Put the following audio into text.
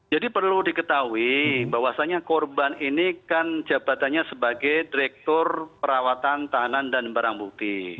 jadi perlu diketahui bahwasannya korban ini kan jabatannya sebagai direktur perawatan tahanan dan barang bukti